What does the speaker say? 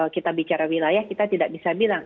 kita bicara wilayah kita tidak bisa bilang